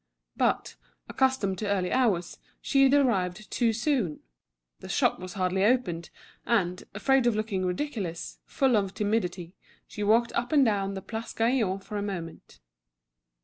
But, accustomed to early hours, she had arrived too soon; the shop was hardly opened, and, afraid of looking ridiculous, full of timidity, she walked up and down the Place Gaillon for a moment.